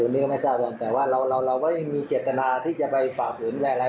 อย่างนี้ก็ไม่เศร้าด้วยแต่ว่าเราก็ยังมีเจตนาที่จะไปฝากหรืออะไร